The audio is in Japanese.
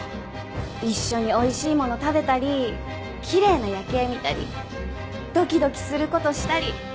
一緒においしいもの食べたりきれいな夜景見たりドキドキする事したり。